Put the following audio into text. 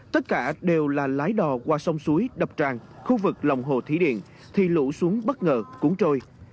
tất cả đều là lái đò qua sông suối đập tràn khu vực lòng hồ thí điểm thì lũ xuống bất ngờ cuốn trôi